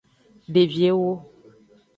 Devi ewo.